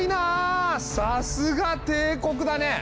さすが帝国だね！